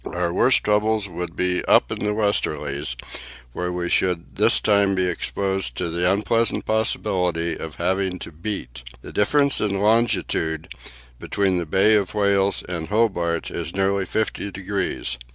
Our worst troubles would be up in the westerlies, where we should this time be exposed to the unpleasant possibility of having to beat. The difference in longitude between the Bay of Whales and Hobart is nearly fifty degrees.